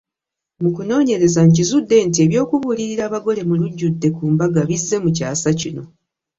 Mu kunoonyereza nkizudde nti eby’okubuulirira abagole mu lujjudde ku mbaga bizze mu kyasa kino.